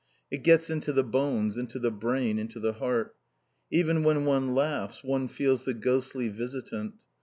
It gets into the bones, into the brain, into the heart. Even when one laughs one feels the ghostly visitant.